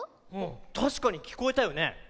たしかにきこえたよね。